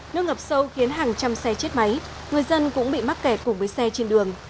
nước ngập sâu khiến hàng trăm xe chết máy người dân cũng bị mắc kẹt cùng với xe trên đường